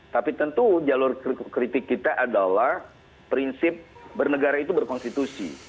tapi tentu jalur kritik kita adalah prinsip bernegara itu berkonstitusi